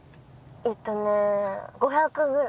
えっとね５００ぐらい。